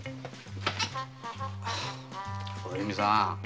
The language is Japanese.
お弓さん